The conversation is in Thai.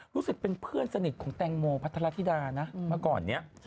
รู้สึกเป็นเพื่อนสนิทของแตงโมพัทรธิดานะเมื่อก่อนนี้